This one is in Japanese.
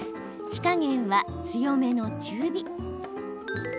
火加減は強めの中火。